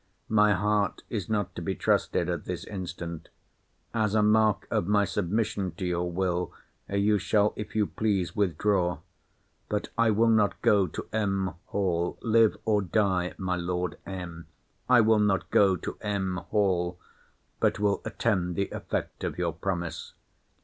My heart is not to be trusted at this instant. As a mark of my submission to your will, you shall, if you please, withdraw—but I will not go to M. Hall—live or die my Lord M. I will not go to M. Hall—but will attend the effect of your promise.